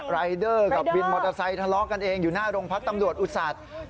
รายเดอร์กับวินมอเตอร์ไซค์ทะเลาะกันเองอยู่หน้าโรงพักตำรวจอุตสัตว์